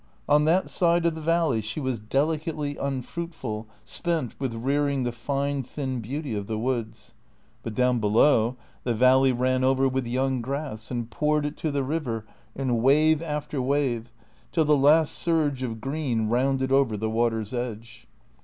On that side of the valley she was delicately unfruitful, spent with rearing the fine, thin beauty of the woods. But, down below, the valley ran over with young grass and poured it to the river in wave after wave, till the last surge of green rounded over the water's edge.